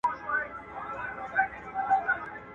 د کرنې لپاره تخم ښه غوره کړه.